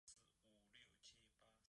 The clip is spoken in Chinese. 其乘积的结合律源自群的结合律。